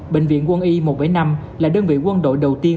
bệnh viện quân y một trăm bảy mươi năm là đơn vị quân đội đầu tiên